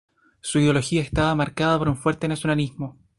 Su ideología estaba marcada por un fuerte nacionalismo.